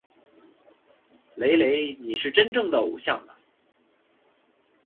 雷雷！你是真正的偶像啊！